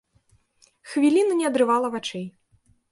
Хвіліну не адрывала вачэй.